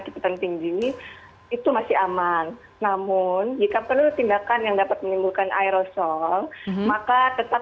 cepatan tinggi itu masih aman namun jika perlu tindakan yang dapat menimbulkan aerosol maka tetap